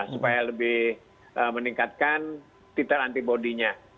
supaya lebih meningkatkan titel antibody nya